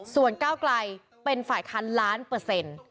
ส่วนก้าวไกลเป็นฝ่ายค้านล้านเปอร์เซ็นต์